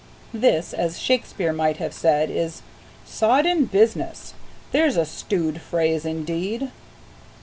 This, as Shakespeare might have said, is "Sodden business! There's a stewed phrase indeed!"